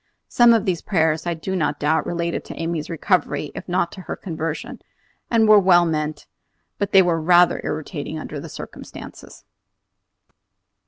Some of these prayers, I do not doubt, related to Amy's recovery if not to her conversion, and were well meant; but they were rather irritating under the circumstances!